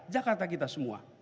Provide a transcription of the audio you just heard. jakarta kita semua